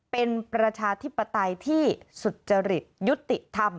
เป็นประชาธิปไตยที่สุจริตยุติธรรม